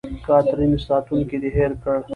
کاترین: ساتونکی دې هېر کړ.